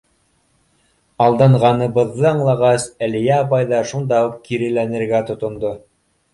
Алданғаныбыҙҙы аңлағас, Әлиә апай ҙа шунда уҡ киреләнергә тотондо: